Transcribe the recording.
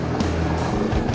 gak ada yang mau ngomong